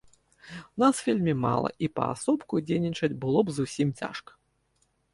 Нас вельмі мала, і паасобку дзейнічаць было б зусім цяжка.